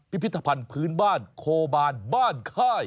พิพิธภัณฑ์พื้นบ้านโคบานบ้านค่าย